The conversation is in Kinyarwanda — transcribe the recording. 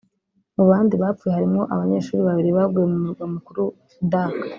Mu bandi bapfuye harimwo abanyeshure babiri baguye mu murwa mukuru Dhaka